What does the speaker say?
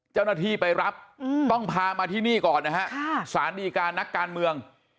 เจ้าหน้าที่ไปรับต้องพามาที่นี่ก่อนนะฮะสารดีการนักการเมือง